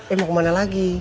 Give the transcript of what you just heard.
eh mau kemana lagi